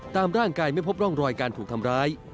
ตามร่างกายไม่พบร่องรอยการถูกทำร้าย